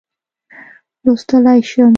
لوستلای شم.